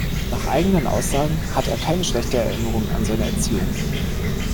Nach eigenen Aussagen hat er keine schlechte Erinnerung an seine Erziehung.